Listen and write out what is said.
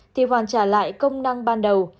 thì hoàn trả lại công năng ban đầu